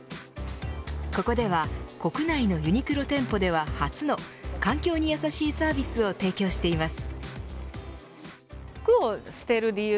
ここでは国内のユニクロ店舗では初の環境にやさしいサービスを提供しています。